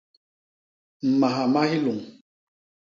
Mmaha ma hiluñ.